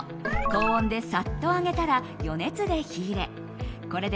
高温でさっと揚げたら余熱で火入れ。